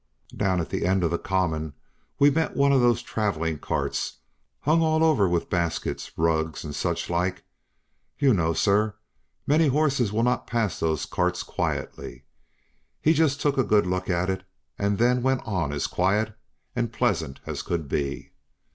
Down at the end of the common we met one of those traveling carts hung all over with baskets, rugs, and such like; you know, sir, many horses will not pass those carts quietly; he just took a good look at it, and then went on as quiet and pleasant as could be.